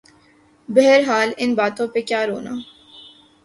بہرحال ان باتوں پہ کیا رونا۔